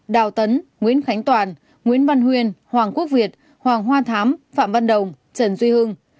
đào tấn nguyễn khánh toàn nguyễn văn huyên hoàng quốc việt hoàng hoa thám phạm văn đồng trần duy hưng